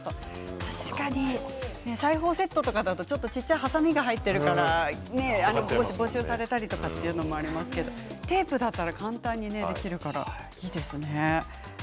確かに裁縫セットとだとちょっと小さいはさみが入っているから没収されたりとかいうのもありますけど、テープだったら簡単にできるからいいですね。